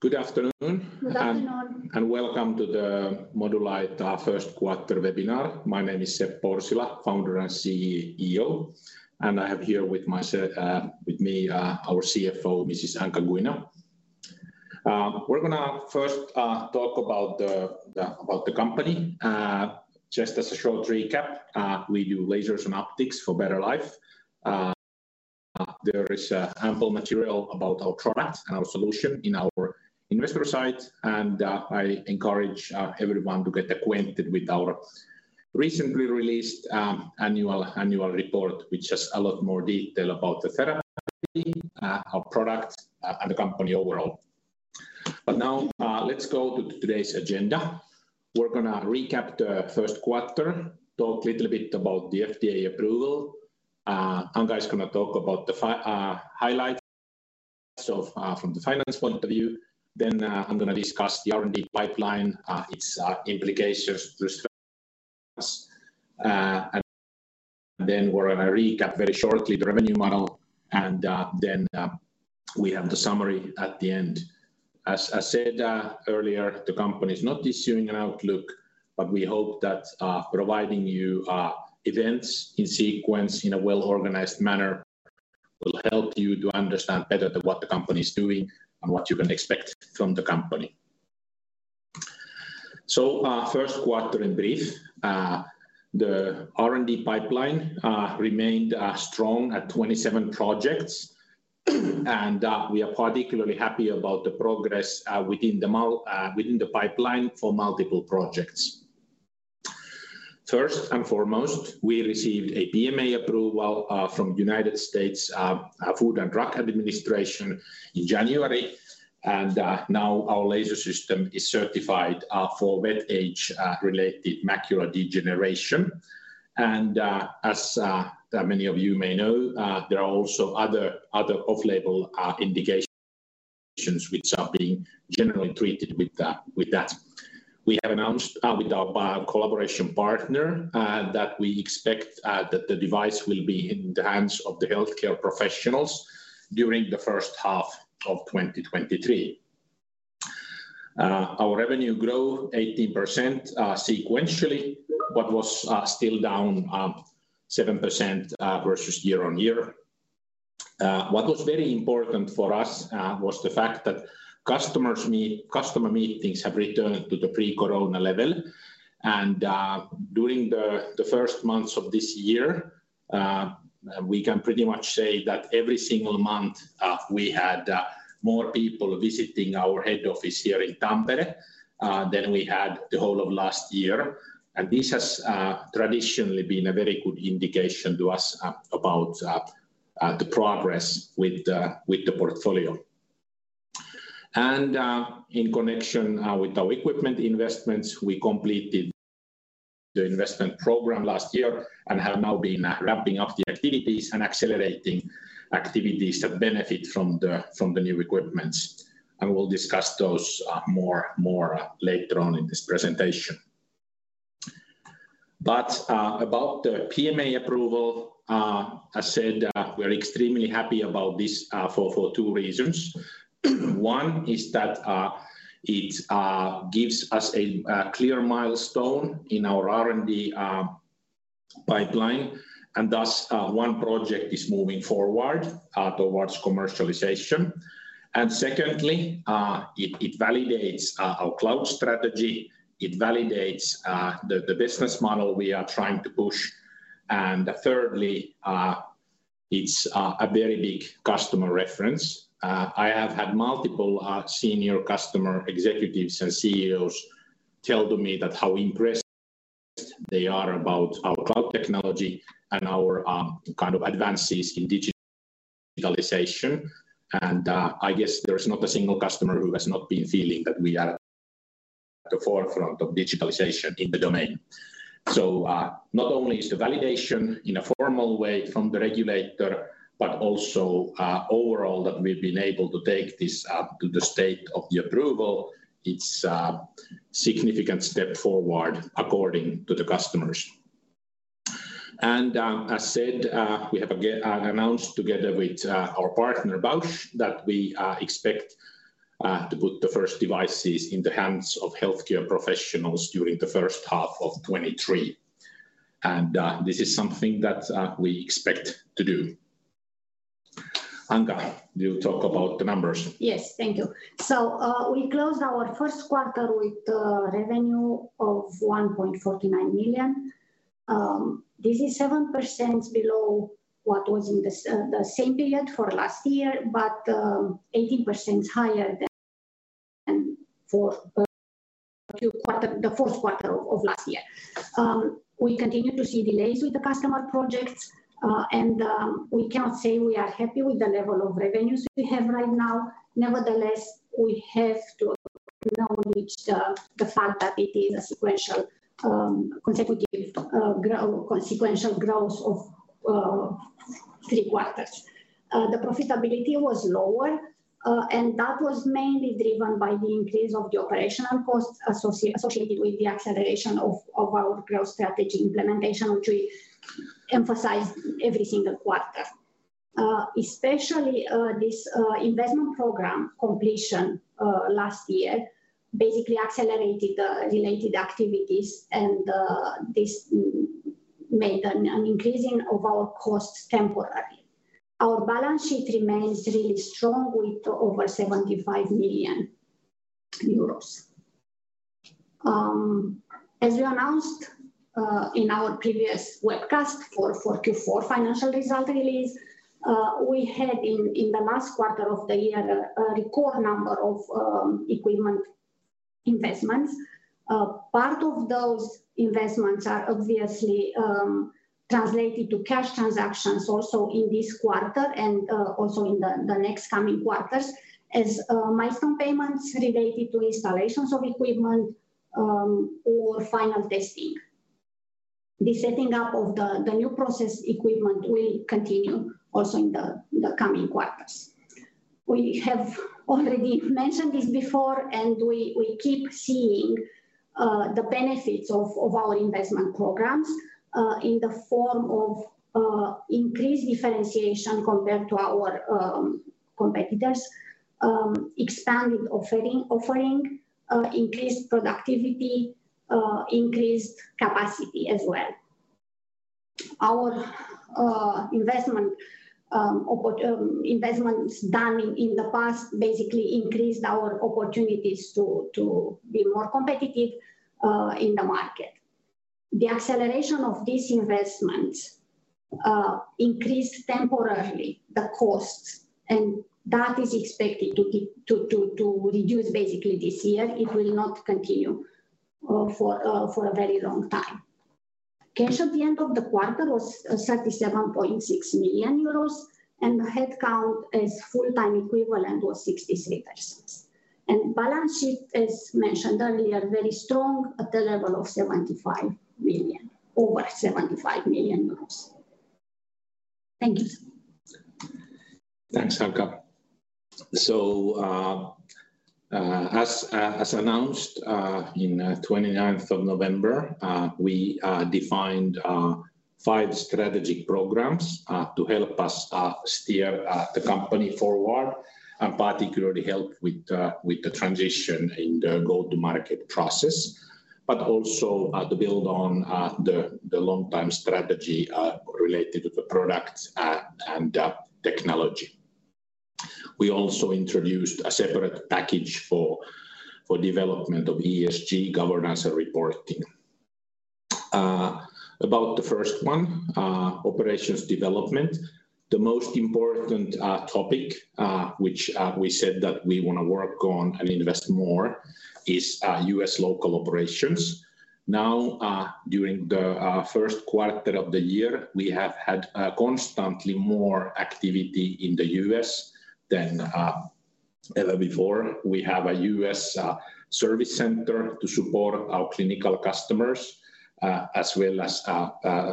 Good afternoon. Good afternoon. Welcome to the Modulight first quarter webinar. My name is Seppo Orsila, Founder and CEO, and I have here with me our CFO, Mrs. Anca Guina. We're going to first talk about the company. Just as a short recap, we do lasers and optics for better life. There is ample material about our products and our solution in our investor site, and I encourage everyone to get acquainted with our recently released annual report, which has a lot more detail about the therapy, our products, and the company overall. Now, let's go to today's agenda. We're going to recap the first quarter, talk a little bit about the FDA approval. Anca is gonna talk about the highlights of from the finance point of view, then, I'm gonna discuss the R&D pipeline, its implications to us. We're gonna recap very shortly the revenue model, and then we have the summary at the end. As I said, earlier, the company is not issuing an outlook, but we hope that providing you events in sequence in a well-organized manner will help you to understand better than what the company's doing and what you can expect from the company. First quarter in brief. The R&D pipeline remained strong at 27 projects, and we are particularly happy about the progress within the pipeline for multiple projects. First and foremost, we received a PMA approval from United States Food and Drug Administration in January, and now our laser system is certified for wet age-related macular degeneration. As many of you may know, there are also other off-label indications which are being generally treated with that. We have announced with our bio collaboration partner that we expect that the device will be in the hands of the healthcare professionals during the first half of 2023. Our revenue grew 18% sequentially, was still down 7% versus year-on-year. What was very important for us was the fact that customer meetings have returned to the pre-corona level. During the first months of this year, we can pretty much say that every single month, we had more people visiting our head office here in Tampere than we had the whole of last year. This has traditionally been a very good indication to us about the progress with the portfolio. In connection with our equipment investments, we completed the investment program last year and have now been ramping up the activities and accelerating activities that benefit from the new equipments. We'll discuss those more later on in this presentation. About the PMA approval, I said, we're extremely happy about this for two reasons. One is that it gives us a clear milestone in our R&D pipeline, and thus one project is moving forward towards commercialization. Secondly, it validates our cloud strategy. It validates the business model we are trying to push. Thirdly, it's a very big customer reference. I have had multiple senior customer executives and CEOs tell to me that how impressed they are about our cloud technology and our kind of advances in digitalization. I guess there's not a single customer who has not been feeling that we are at the forefront of digitalization in the domain. Not only is the validation in a formal way from the regulator, but also overall that we've been able to take this to the state of the approval. It's a significant step forward according to the customers. As said, we have announced together with our partner Bausch that we expect to put the first devices in the hands of healthcare professionals during the first half of 2023. This is something that we expect to do. Anca, do you talk about the numbers? Yes. Thank you. We closed our first quarter with a revenue of 1.49 million. This is 7% below what was in the same period for last year, but 18% higher than for the fourth quarter of last year. We continue to see delays with the customer projects, and we cannot say we are happy with the level of revenues we have right now. Nevertheless, we have to acknowledge the fact that it is a sequential, consecutive, consequential growth of three quarters. The profitability was lower, that was mainly driven by the increase of the operational costs associated with the acceleration of our growth strategy implementation, which we emphasize every single quarter. Especially, this investment program completion, last year basically accelerated the related activities and, this made an increasing of our costs temporarily. Our balance sheet remains really strong with over 75 million euros. As we announced, in our previous webcast for 44 financial result release, we had in the last quarter of the year a record number of equipment investments. Part of those investments are obviously translated to cash transactions also in this quarter and also in the next coming quarters as milestone payments related to installations of equipment or final testing. The setting up of the new process equipment will continue also in the coming quarters. We have already mentioned this before. We keep seeing the benefits of our investment programs in the form of increased differentiation compared to our competitors, expanded offering, increased productivity, increased capacity as well. Our investments done in the past basically increased our opportunities to be more competitive in the market. The acceleration of these investments increased temporarily the costs. That is expected to reduce basically this year. It will not continue for a very long time. Cash at the end of the quarter was 37.6 million euros, and the headcount as full-time equivalent was 63 persons. Balance sheet, as mentioned earlier, very strong at the level of over EUR 75 million. Thank you. Thanks, Anca. As announced, in 29th of November, we defined 5 strategic programs to help us steer the company forward and particularly help with the transition in the go-to-market process, but also to build on the long-term strategy related to the products and technology. We also introduced a separate package for development of ESG governance and reporting. About the 1st one, operations development. The most important topic which we said that we wanna work on and invest more is U.S. local operations. Now, during the 1st quarter of the year, we have had constantly more activity in the U.S. than ever before. We have a U.S. service center to support our clinical customers, as well as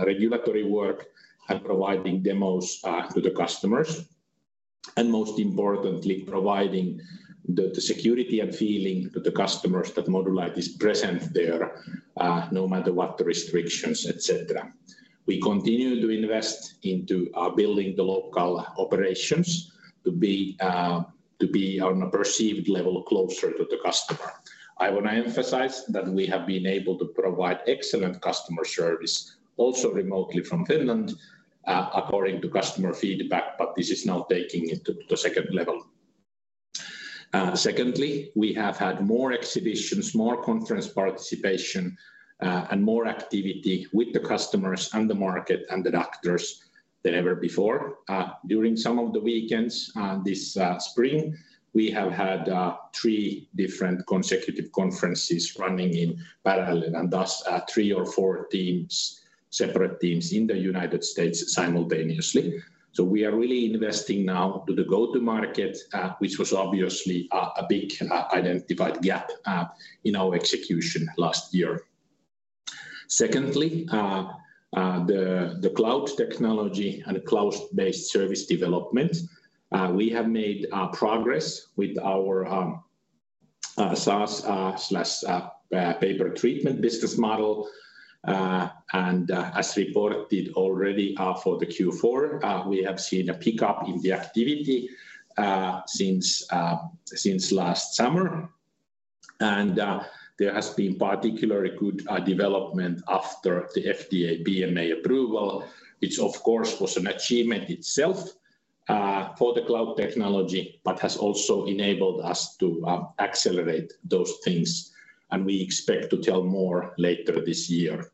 regulatory work and providing demos to the customers. Most importantly, providing the security and feeling to the customers that Modulight is present there, no matter what the restrictions, etc. We continue to invest into building the local operations to be to be on a perceived level closer to the customer. I wanna emphasize that we have been able to provide excellent customer service also remotely from Finland, according to customer feedback. This is now taking it to the second level. Secondly, we have had more exhibitions, more conference participation, and more activity with the customers and the market and the doctors than ever before. During some of the weekends, this spring, we have had three different consecutive conferences running in parallel, and thus, three or four teams, separate teams in the United States simultaneously. We are really investing now to the go-to-market, which was obviously a big identified gap in our execution last year. Secondly, the cloud technology and cloud-based service development. We have made progress with our SaaS slash pay per treatment business model. And as reported already, for the Q4, we have seen a pickup in the activity since last summer. There has been particularly good development after the FDA PMA approval, which of course was an achievement itself for the cloud technology, but has also enabled us to accelerate those things, and we expect to tell more later this year.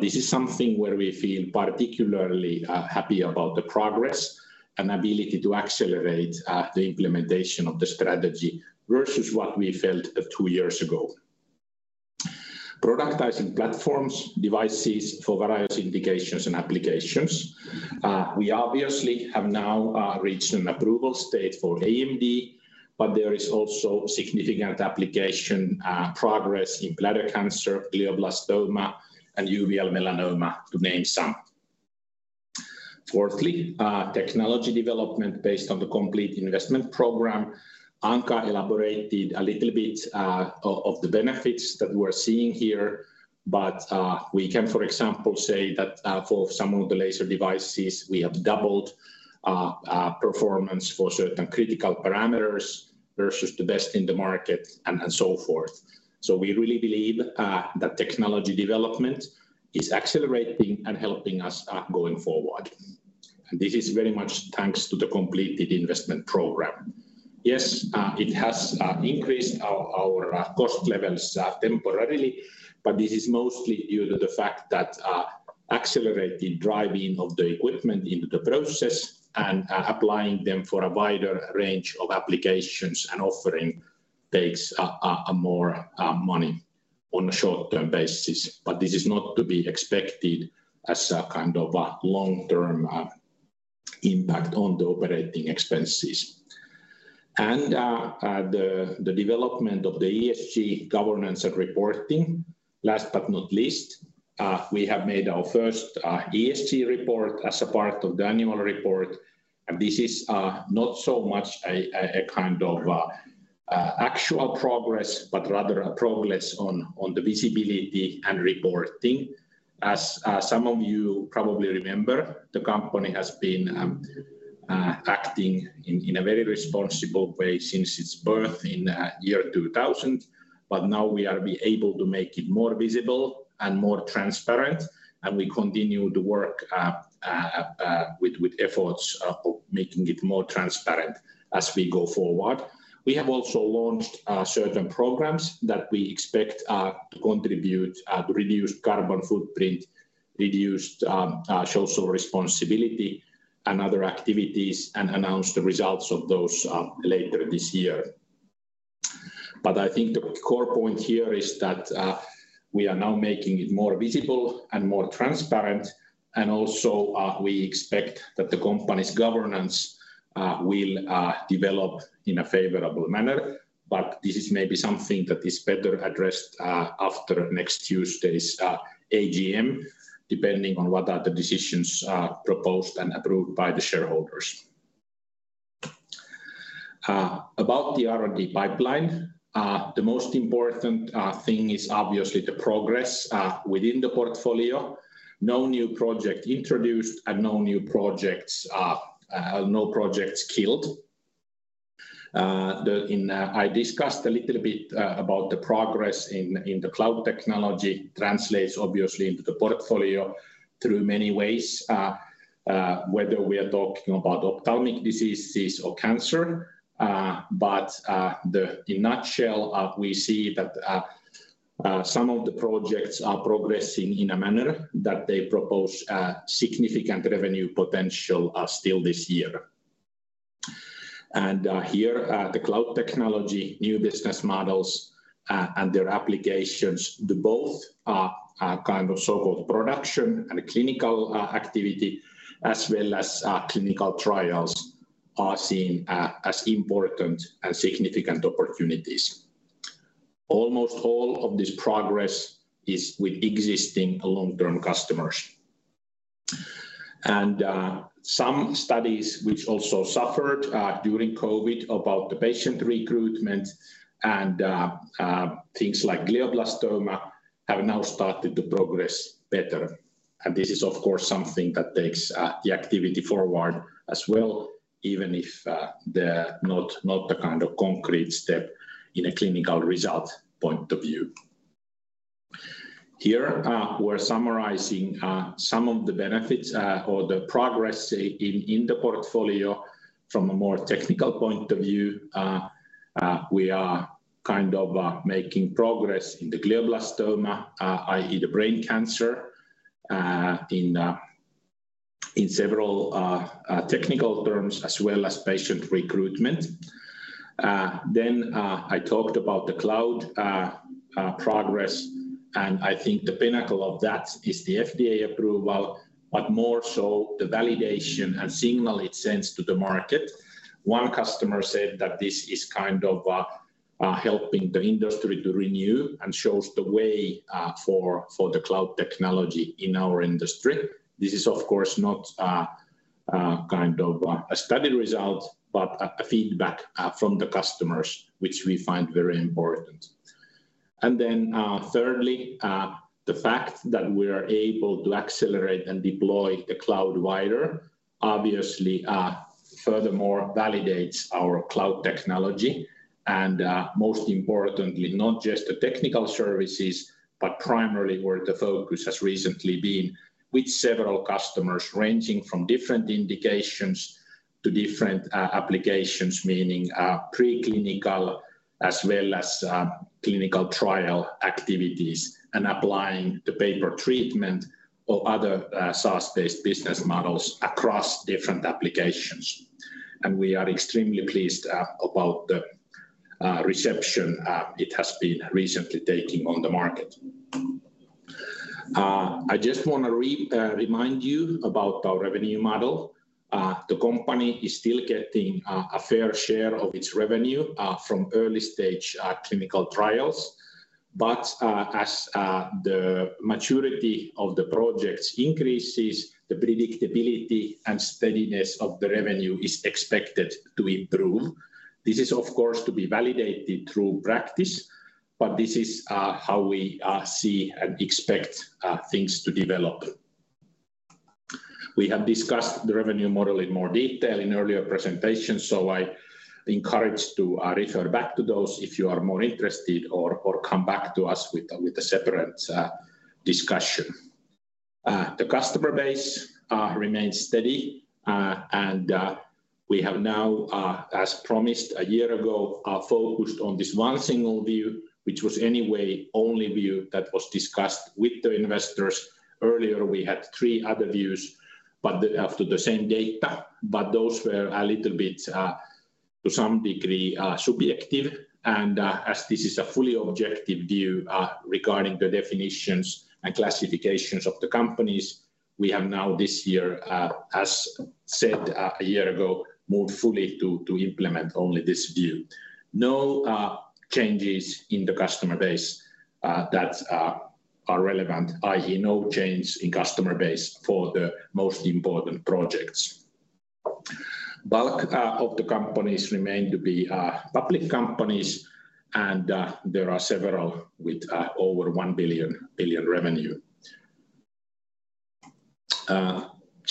This is something where we feel particularly happy about the progress and ability to accelerate the implementation of the strategy versus what we felt two years ago. Productizing platforms, devices for various indications and applications. We obviously have now reached an approval state for AMD, but there is also significant application progress in bladder cancer, glioblastoma, and uveal melanoma to name some. Fourthly, technology development based on the complete investment program. Anca elaborated a little bit of the benefits that we're seeing here. We can, for example, say that for some of the laser devices we have doubled performance for certain critical parameters versus the best in the market and so forth. We really believe that technology development is accelerating and helping us going forward. This is very much thanks to the completed investment program. Yes, it has increased our cost levels temporarily. This is mostly due to the fact that accelerated driving of the equipment into the process and applying them for a wider range of applications and offering takes more money on a short-term basis. This is not to be expected as a kind of a long-term impact on the operating expenses. The development of the ESG governance and reporting. Last but not least, we have made our first ESG report as a part of the annual report, and this is not so much a kind of actual progress, but rather a progress on the visibility and reporting. As some of you probably remember, the company has been acting in a very responsible way since its birth in year 2000, but now we are be able to make it more visible and more transparent, and we continue to work with efforts of making it more transparent as we go forward. We have also launched certain programs that we expect to contribute to reduced carbon footprint, reduced social responsibility and other activities, and announce the results of those later this year. I think the core point here is that we are now making it more visible and more transparent, and also, we expect that the company's governance will develop in a favorable manner. This is maybe something that is better addressed after next Tuesday's AGM, depending on what are the decisions proposed and approved by the shareholders. About the R&D pipeline, the most important thing is obviously the progress within the portfolio. No new project introduced and no new projects, no projects killed. I discussed a little bit about the progress in the cloud technology. Translates obviously into the portfolio through many ways, whether we are talking about ophthalmic diseases or cancer. In nutshell, we see that some of the projects are progressing in a manner that they propose significant revenue potential still this year. Here, the cloud technology, new business models, and their applications, the both kind of so-called production and clinical activity as well as clinical trials are seen as important and significant opportunities. Almost all of this progress is with existing long-term customers. Some studies which also suffered during COVID about the patient recruitment and things like glioblastoma have now started to progress better. This is of course something that takes the activity forward as well, even if they're not the kind of concrete step in a clinical result point of view. Here, we're summarizing some of the benefits or the progress, say, in the portfolio from a more technical point of view. We are kind of making progress in the glioblastoma, i.e. the brain cancer, in several technical terms as well as patient recruitment. I talked about the cloud progress, and I think the pinnacle of that is the FDA approval, but more so the validation and signal it sends to the market. One customer said that this is kind of helping the industry to renew and shows the way for the cloud technology in our industry. This is of course not kind of a study result, but a feedback from the customers, which we find very important. Thirdly, the fact that we are able to accelerate and deploy the cloud wider obviously, furthermore validates our cloud technology. Most importantly, not just the technical services, but primarily where the focus has recently been with several customers ranging from different indications to different applications, meaning preclinical as well as clinical trial activities, and applying the pay per treatment or other SaaS-based business models across different applications. We are extremely pleased about the reception it has been recently taking on the market. I just wanna remind you about our revenue model. The company is still getting a fair share of its revenue from early stage clinical trials. As the maturity of the projects increases, the predictability and steadiness of the revenue is expected to improve. This is of course to be validated through practice, but this is how we see and expect things to develop. We have discussed the revenue model in more detail in earlier presentations, so I encourage to refer back to those if you are more interested or come back to us with a, with a separate discussion. The customer base remains steady. We have now, as promised a year ago, focused on this one single view, which was anyway only view that was discussed with the investors. Earlier we had three other views after the same data. Those were a little bit to some degree subjective. As this is a fully objective view regarding the definitions and classifications of the companies, we have now this year as said a year ago, moved fully to implement only this view. No changes in the customer base that are relevant, i.e., no change in customer base for the most important projects. Bulk of the companies remain to be public companies. There are several with over 1 billion revenue.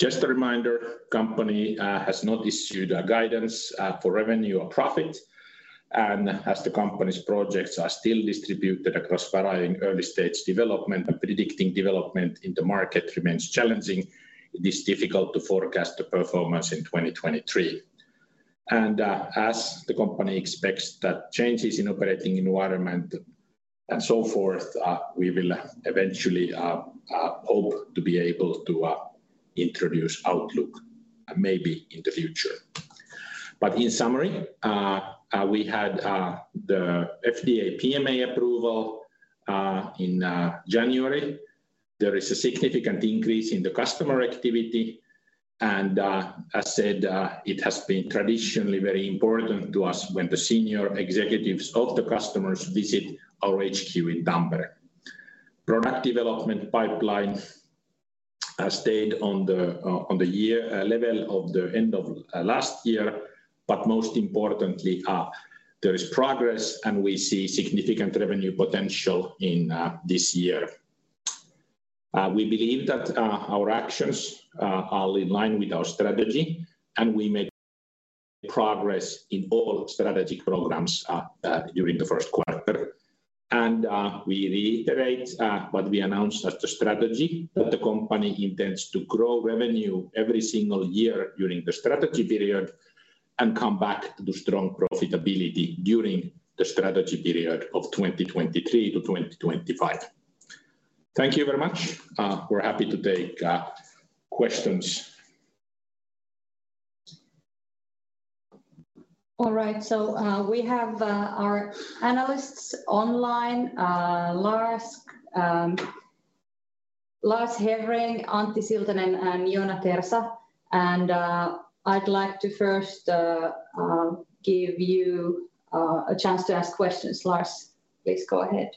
Just a reminder, company has not issued a guidance for revenue or profit. As the company's projects are still distributed across varying early stage development and predicting development in the market remains challenging, it is difficult to forecast the performance in 2023. As the company expects that changes in operating environment and so forth, we will eventually hope to be able to introduce outlook maybe in the future. In summary, we had the FDA PMA approval in January. There is a significant increase in the customer activity. As said, it has been traditionally very important to us when the senior executives of the customers visit our HQ in Tampere. Product development pipeline stayed on the year level of the end of last year, but most importantly, there is progress, and we see significant revenue potential in this year. We believe that our actions are in line with our strategy, and we made progress in all strategy programs during the first quarter. We reiterate what we announced as the strategy that the company intends to grow revenue every single year during the strategy period and come back to strong profitability during the strategy period of 2023 to 2025. Thank you very much. We are happy to take questions. All right. We have our analysts online, Lars Hevreng, Antti Siltanen, and Joona Tersa. I'd like to first give you a chance to ask questions. Lars, please go ahead.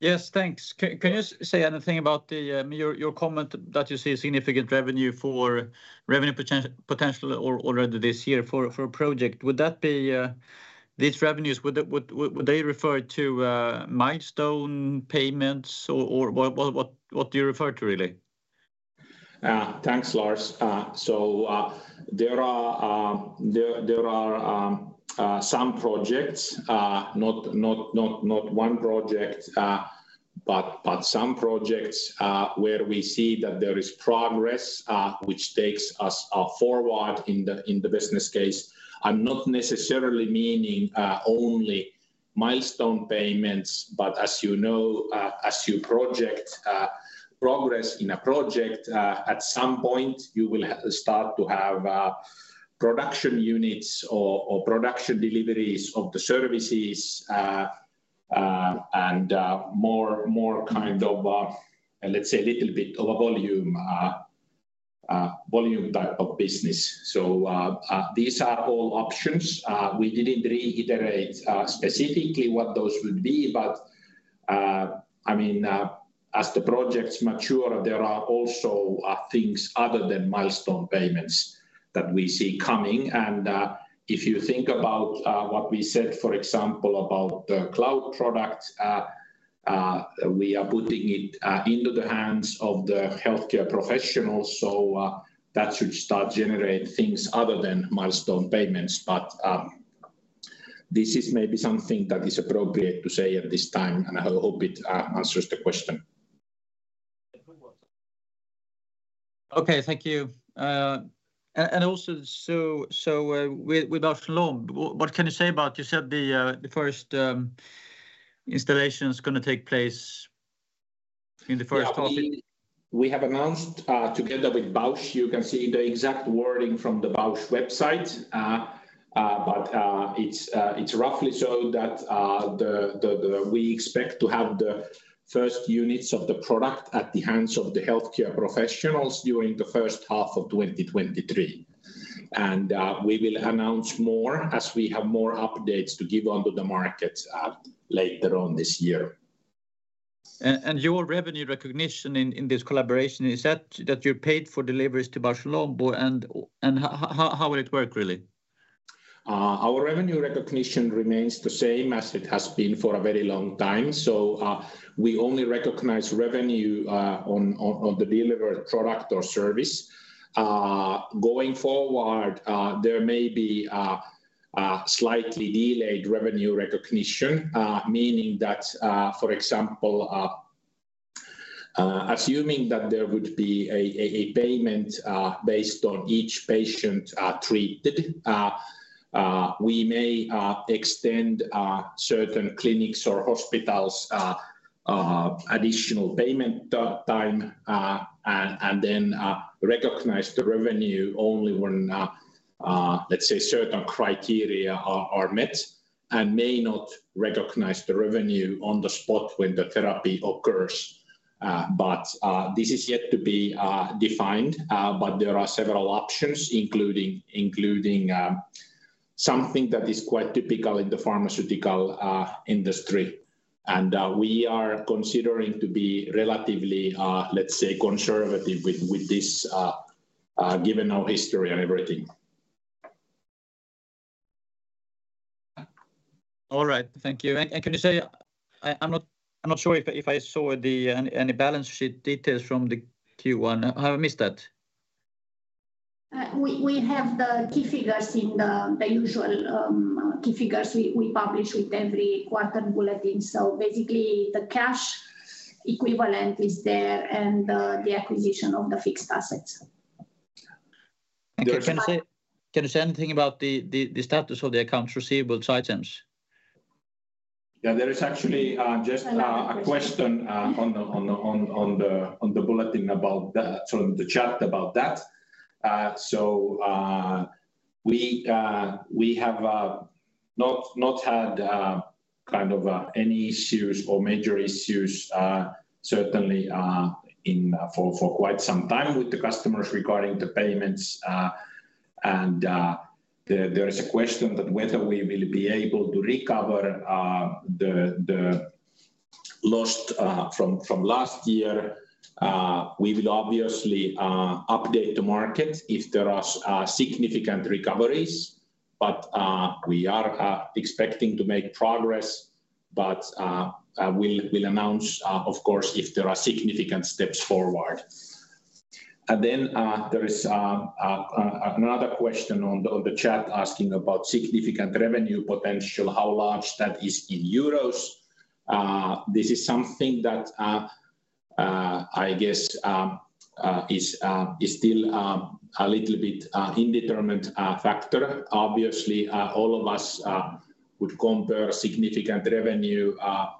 Yes, thanks. Can you say anything about your comment that you see a significant revenue for revenue potential already this year for a project? Would that be, these revenues would they refer to milestone payments? Or what do you refer to really? Thanks, Lars. There are some projects, not one project, but some projects, where we see that there is progress, which takes us forward in the business case. I'm not necessarily meaning only milestone payments, but as you know, as you project progress in a project, at some point you will start to have production units or production deliveries of the services, and more kind of a, let's say a little bit of a volume type of business. These are all options. We didn't reiterate specifically what those would be, but I mean, as the projects mature, there are also things other than milestone payments that we see coming. If you think about what we said, for example, about the cloud products, we are putting it into the hands of the healthcare professionals. That should start generate things other than milestone payments. This is maybe something that is appropriate to say at this time, and I hope it answers the question. Okay, thank you. And also, so with [Oxlon], what can you say about... you said the first installation's gonna take place-In the first half of- Yeah, we have announced together with Bausch, you can see the exact wording from the Bausch website. It's roughly so that we expect to have the first units of the product at the hands of the healthcare professionals during the first half of 2023. We will announce more as we have more updates to give onto the markets later on this year. Your revenue recognition in this collaboration, is that you're paid for deliveries to Bausch + Lomb, and, how will it work really? Our revenue recognition remains the same as it has been for a very long time. We only recognize revenue on the delivered product or service. Going forward, there may be a slightly delayed revenue recognition, meaning that, for example, assuming that there would be a payment based on each patient treated, we may extend certain clinics or hospitals additional payment time, and then recognize the revenue only when, let's say, certain criteria are met and may not recognize the revenue on the spot when the therapy occurs. This is yet to be defined, there are several options including something that is quite typical in the pharmaceutical industry. We are considering to be relatively, let's say conservative with this, given our history and everything. All right. Thank you. I'm not sure if I saw any balance sheet details from the Q1. Have I missed that? We have the key figures in the usual key figures we publish with every quarter bulletin. Basically the cash equivalent is there and, the acquisition of the fixed assets. Okay. There is- Can you say anything about the status of the accounts receivable items? Yeah. There is actually. A very good question.... just a question on the bulletin about that. Sorry, in the chat about that. We have not had kind of any issues or major issues certainly in for quite some time with the customers regarding the payments. There is a question that whether we will be able to recover the lost from last year. We will obviously update the market if there are significant recoveries, but we are expecting to make progress, but we'll announce of course, if there are significant steps forward. Then there is another question on the chat asking about significant revenue potential, how large that is in euros. This is something that I guess is still a little bit indeterminate factor. Obviously, all of us would compare significant revenue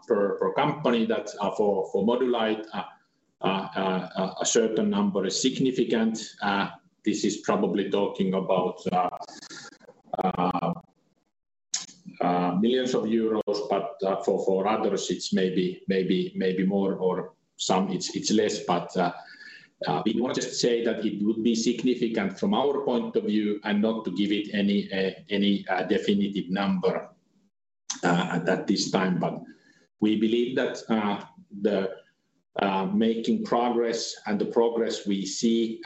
per company that for Modulight a certain number is significant. This is probably talking about millions of euros, but for others it's maybe more or some it's less. We want to say that it would be significant from our point of view and not to give it any definitive number at this time. We believe that the making progress and the progress we see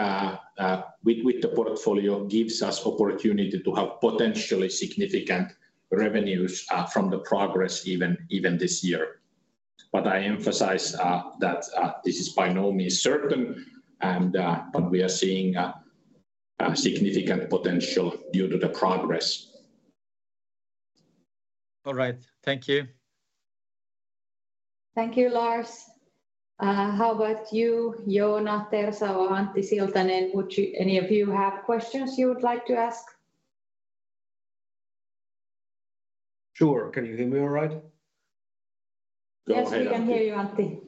with the portfolio gives us opportunity to have potentially significant revenues from the progress even this year. I emphasize that this is by no means certain and. We are seeing significant potential due to the progress. All right. Thank you. Thank you, Lars. How about you, Joona Tersav'a, Antti Siltanen, would you, any of you have questions you would like to ask? Sure. Can you hear me all right? Yes, we can hear you, Antti.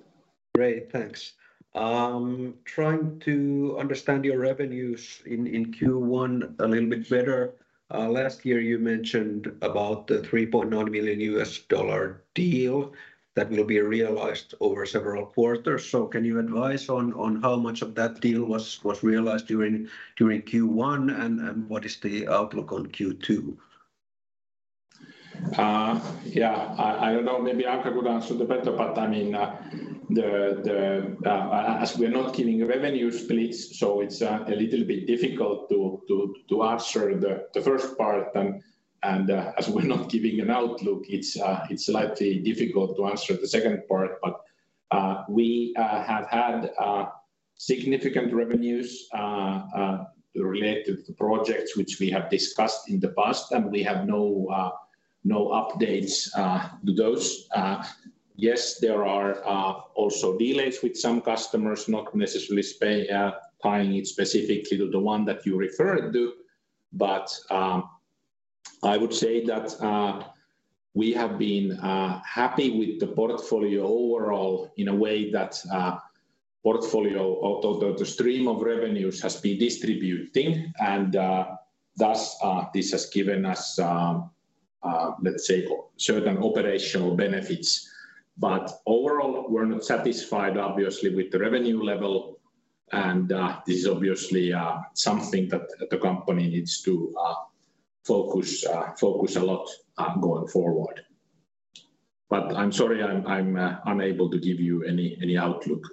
Great. Thanks. I'm trying to understand your revenues in Q1 a little bit better. Last year you mentioned about the $3.1 million deal that will be realized over several quarters. Can you advise on how much of that deal was realized during Q1 and what is the outlook on Q2? Yeah. I don't know, maybe Anca could answer the better, but I mean, the, as we're not giving revenue splits, so it's a little bit difficult to answer the first part. As we're not giving an outlook, it's slightly difficult to answer the second part. We have had significant revenues related to projects which we have discussed in the past, and we have no updates to those. Yes, there are also delays with some customers, not necessarily tying it specifically to the one that you referred to. I would say that we have been happy with the portfolio overall in a way that portfolio or the stream of revenues has been distributing and thus this has given us let's say certain operational benefits. Overall, we're not satisfied obviously with the revenue level and this is obviously something that the company needs to focus a lot going forward. I'm sorry I'm unable to give you any outlook.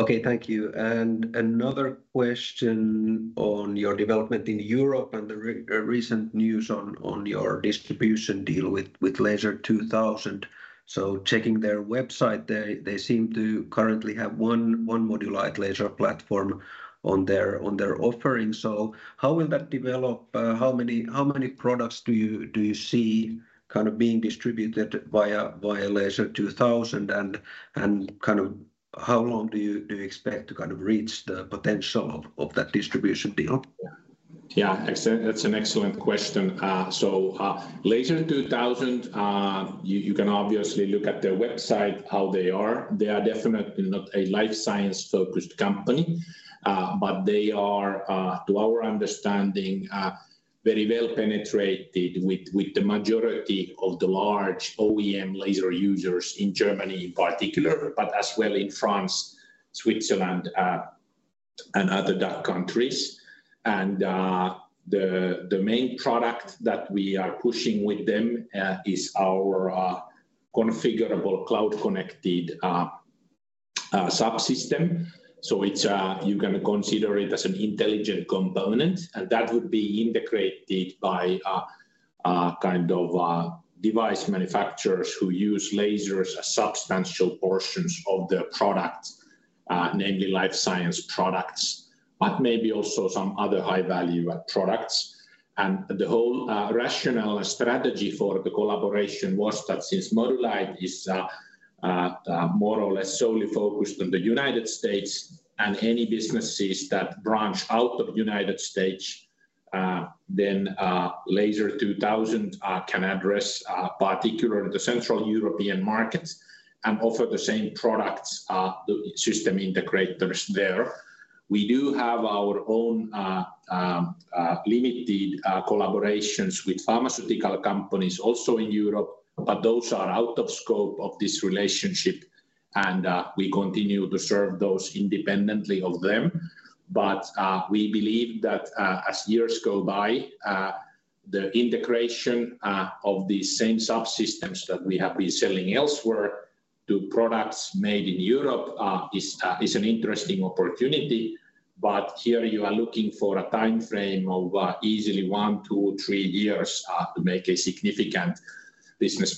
Okay, thank you. Another question on your development in Europe and the recent news on your distribution deal with Laser 2000. Checking their website, they seem to currently have one Modulight laser platform on their offering. How will that develop? How many products do you see kind of being distributed via Laser 2000 and kind of how long do you expect to kind of reach the potential of that distribution deal? Yeah. That's an excellent question. Laser 2000, you can obviously look at their website, how they are. They are definitely not a life science-focused company, but they are, to our understanding, very well penetrated with the majority of the large OEM laser users in Germany in particular, but as well in France, Switzerland, and other DACH countries. The main product that we are pushing with them is our configurable cloud connected subsystem. It's, you can consider it as an intelligent component, and that would be integrated by a kind of a device manufacturers who use lasers as substantial portions of their product, namely life science products, but maybe also some other high value products. The whole rational strategy for the collaboration was that since Modulight is more or less solely focused on the United States and any businesses that branch out of United States, then Laser 2000 can address particularly the Central European markets and offer the same products the system integrators there. We do have our own limited collaborations with pharmaceutical companies also in Europe, but those are out of scope of this relationship and we continue to serve those independently of them. We believe that as years go by, the integration of these same subsystems that we have been selling elsewhere to products made in Europe is an interesting opportunity. Here you are looking for a timeframe of easily 1 to 3 years to make a significant business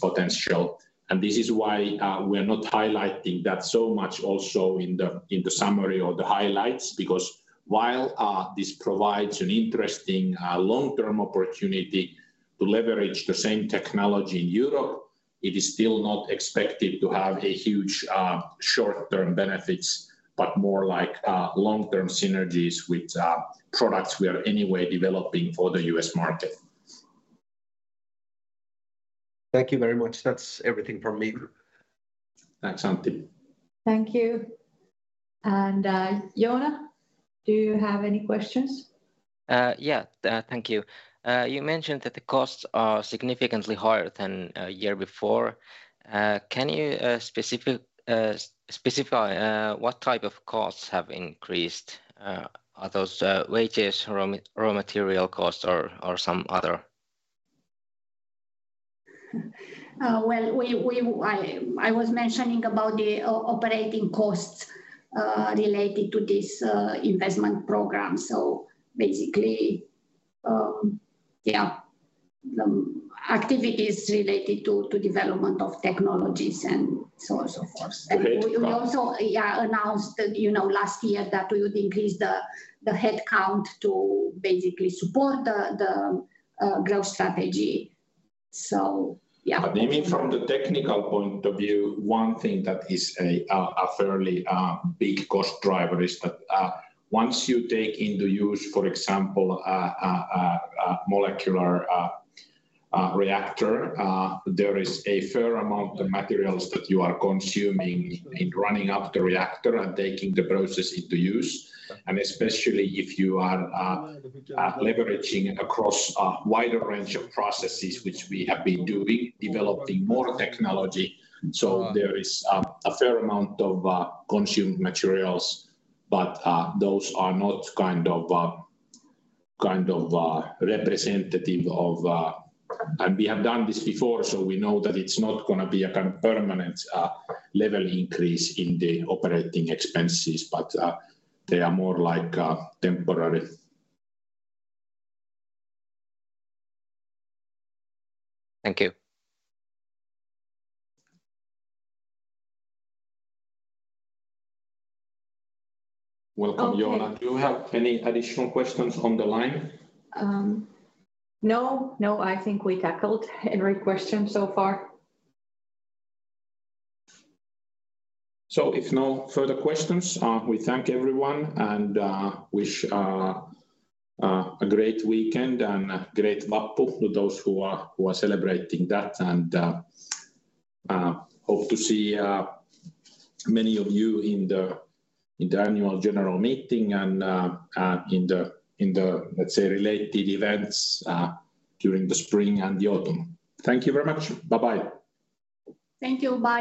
potential. This is why we're not highlighting that so much also in the summary or the highlights, because while this provides an interesting long-term opportunity to leverage the same technology in Europe, it is still not expected to have a huge short-term benefits, but more like long-term synergies with products we are anyway developing for the US market. Thank you very much. That's everything from me. Thanks, Antti. Thank you. Joona, do you have any questions? Yeah. Thank you. You mentioned that the costs are significantly higher than a year before. Can you specify what type of costs have increased? Are those wages, raw material costs or some other? Well, we, I was mentioning about the operating costs, related to this, investment program. Basically, yeah, the activities related to development of technologies and so on, so forth. Okay. we also, yeah, announced that, you know, last year that we would increase the headcount to basically support the growth strategy. Yeah. I mean, from the technical point of view, one thing that is a fairly big cost driver is that once you take into use, for example, a molecular reactor, there is a fair amount of materials that you are consuming in running up the reactor and taking the process into use. Especially if you are leveraging across a wider range of processes, which we have been doing, developing more technology. There is a fair amount of consumed materials, but those are not kind of representative of. We have done this before, so we know that it's not gonna be a kind of permanent level increase in the operating expenses, but they are more like temporary. Thank you. Welcome, Joona. Okay. Do you have any additional questions on the line? No, no, I think we tackled every question so far. If no further questions, we thank everyone and wish a great weekend and a great Vappu to those who are celebrating that. Hope to see many of you in the annual general meeting and in the, let's say, related events during the spring and the autumn. Thank you very much. Bye-bye. Thank you. Bye.